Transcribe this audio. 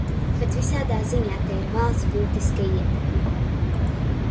Bet visādā ziņā te ir valsts būtiska ietekme.